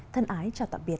thân ái chào tạm biệt